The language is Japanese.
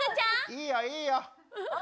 いいよいいよ。